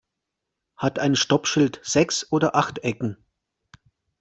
Hat ein Stoppschild sechs oder acht Ecken?